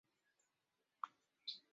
北齐洛阳人。